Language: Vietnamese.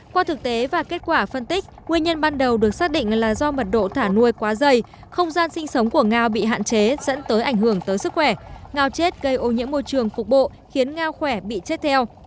qua thực tế và kết quả phân tích nguyên nhân ban đầu được xác định là do mật độ thả nuôi quá dày không gian sinh sống của ngao bị hạn chế dẫn tới ảnh hưởng tới sức khỏe ngao chết gây ô nhiễm môi trường phục bộ khiến ngao khỏe bị chết theo